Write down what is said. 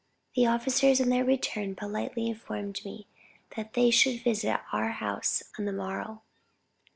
The officers on their return, politely informed me, that they should visit our house on the morrow.